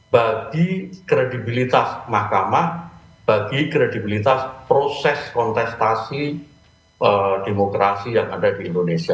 bagi kredibilitas mahkamah bagi kredibilitas proses kontestasi demokrasi yang ada di indonesia